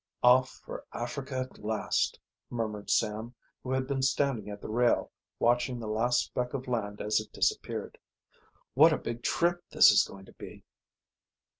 "Off for Africa at last," murmured Sam, who had been standing at the rail watching the last speck of land as it disappeared. "What a big trip this is going to be!"